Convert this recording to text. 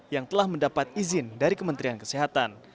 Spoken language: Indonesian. yang telah mendapat izin dari kementerian kesehatan